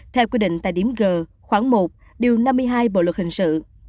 theo quy định tại điểm g khoảng một điều năm mươi hai bộ luật hình sự